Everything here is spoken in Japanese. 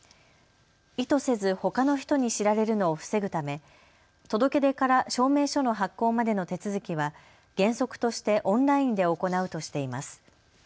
意図せずほかの人に知られるのを防ぐため届け出から証明書の発行までの手続きは原則としてオンラインで行うとしています。